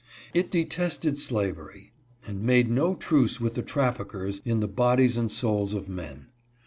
It de tested slavery and made no truce with the traffickers in the bodies and souls of men.